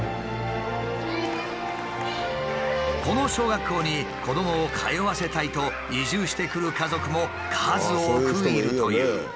この小学校に子どもを通わせたいと移住してくる家族も数多くいるという。